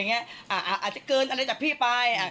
อาจจะเกินอะไรจากพี่ไป